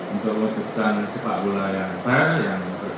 untuk menutupkan sepak gula yang parah